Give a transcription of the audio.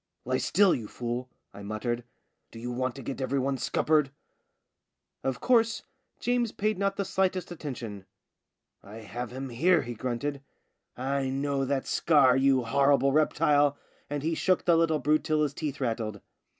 "Lie still, you fool," I muttered. "Do you want to get every one ' scuppered '?" Of course, James paid not the slightest attention. " I have him here," he grunted. " I know that scar, you horrible reptile," and he shook the little brute till his teeth rattled.